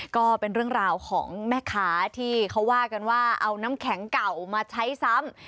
ก็เป็นเรื่องราวของแม่ค้าที่เขาว่ากันว่าเอาน้ำแข็งเก่ามาใช้ซ้ำ